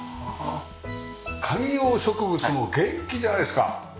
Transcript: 観葉植物も元気じゃないですか！